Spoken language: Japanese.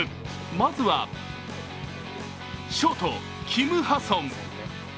まずはショート、キム・ハソン。